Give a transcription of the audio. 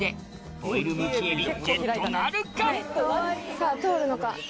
さぁ通るのか？